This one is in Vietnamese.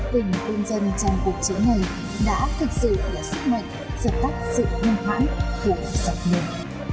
tình quân dân trong cuộc chiến này đã thực sự là sức mạnh giật tắt sự nâng hãng của sạc lượng